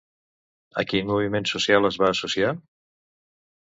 A quin moviment social es va associar?